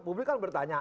publik kan bertanya